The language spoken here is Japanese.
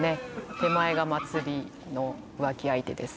手前がまつり浮気相手です